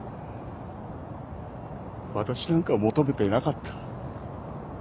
私なんか求めてなかった。